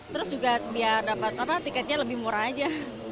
terus juga biar dapat tiketnya lebih murah aja